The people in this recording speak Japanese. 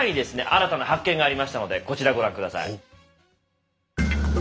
新たな発見がありましたのでこちらご覧下さい。